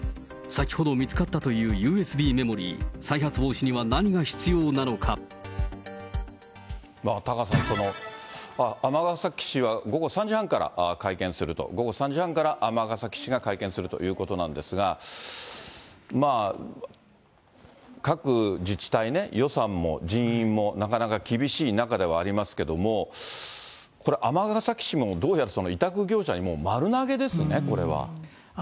先ほど見つかったというＵＳＢメモリ、再発防止には何が必要タカさん、尼崎市は、午後３時半から会見すると、午後３時半から尼崎市が会見するということなんですが、各自治体ね、予算も人員もなかなか厳しい中ではありますけども、これ、尼崎市もどうやら委託業者にもう丸投げですね、これは。